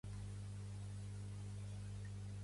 Quin augment de vots ha guanyat Benega?